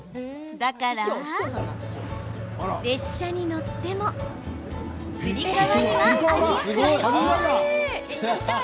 だから列車に乗ってもつり革にはアジフライ。